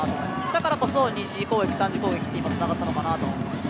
だからこそ２次攻撃、３次攻撃と今つながったと思います。